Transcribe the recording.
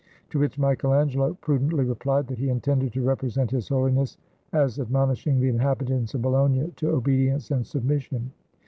To which Michael Angelo prudently replied that he intended to represent His Holiness as admonishing the inhabitants of Bologna to obedience and submission.